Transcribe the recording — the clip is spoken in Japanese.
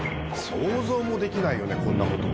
想像もできないよね、こんなこと。